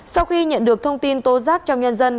sau khi nhận được thông tin tố giác trong nhân dân